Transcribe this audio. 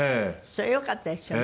それはよかったですよね。